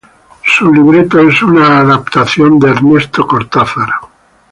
Su libreto es una adaptación de Ernesto Cortázar.